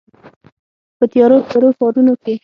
په تیارو، تیارو ښارونو کې